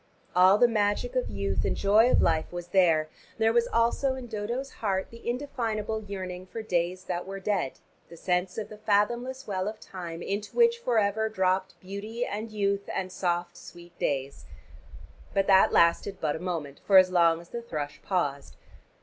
All the magic of youth and joy of life was there: there was also in Dodo's heart the indefinable yearning for days that were dead, the sense of the fathomless well of time into which forever dropped beauty and youth and the soft sweet days. But that lasted but a moment, for as long as the thrush paused.